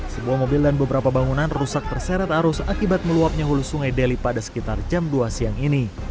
sebuah mobil dan beberapa bangunan rusak terseret arus akibat meluapnya hulu sungai deli pada sekitar jam dua siang ini